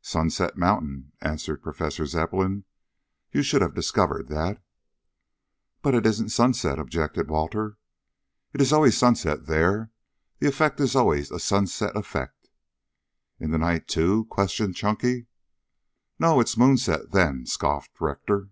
"Sunset Mountain," answered Professor Zepplin. "You should have discovered that." "But it isn't sunset," objected Walter. "It is always sunset there. The effect is always a sunset effect." "In the night, too!" questioned Chunky. "No, it's moonset then," scoffed Rector.